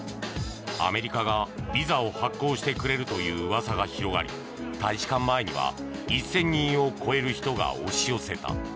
アメリカがビザを発行してくれるという、うわさが広がり大使館前には１０００人を超える人が押し寄せた。